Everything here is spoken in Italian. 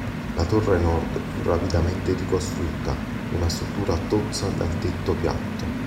La torre nord fu rapidamente ricostruita, una struttura tozza dal tetto piatto.